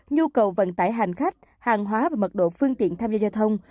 nhu cầu vận tải hành khách hàng hóa và mật độ phương tiện tham gia giao thông